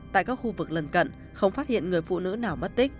tại các khu vực lần cận không phát hiện người phụ nữ nào mất tích